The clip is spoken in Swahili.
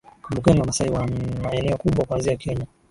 Kumbukeni Wamasai wanna eneo kubwa kuanzia Kenya